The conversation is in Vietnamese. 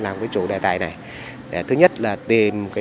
làm chủ đề tài này thứ nhất là tìm